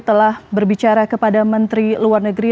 telah berbicara kepada menteri luar negeri